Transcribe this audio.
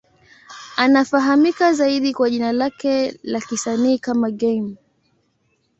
Anafahamika zaidi kwa jina lake la kisanii kama Game.